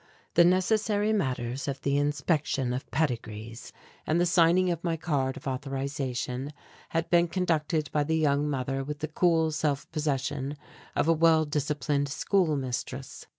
The necessary matters of the inspection of pedigrees and the signing of my card of authorization had been conducted by the young mother with the cool self possession of a well disciplined school mistress.